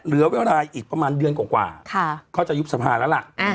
เหลือเวลาอีกประมาณเดือนกว่าเขาจะยุบสภาแล้วล่ะ